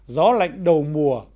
gió lạnh đầu mùa